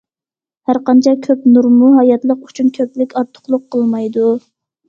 ھەر قانچە كۆپ نۇرمۇ ھاياتلىق ئۈچۈن كۆپلۈك، ئارتۇقلۇق قىلمايدۇ.